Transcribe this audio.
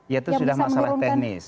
ya itu sudah masalah teknis